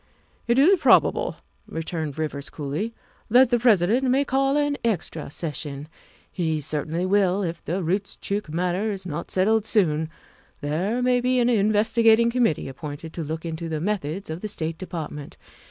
'' "It is probable," returned Rivers coolly, " that the President may call an extra session. He certainly will if the Roostchook matter is not settled soon. There may be an investigating committee appointed to look into the methods of the State Department.